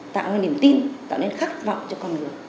tạo cái niềm tin tạo nên khát vọng cho con người